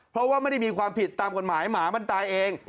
เพราะว่าไม่ได้มีความผิดตามกฎหมายหมามันตายเอง